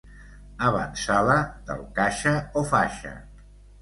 Avantsala del caixa o faixa.